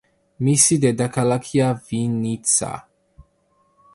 მისი დედაქალაქია ვინიცა.